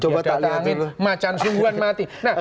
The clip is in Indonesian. beda dada angin macan sungguhan mati